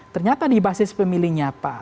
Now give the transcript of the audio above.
ternyata di basis pemilihnya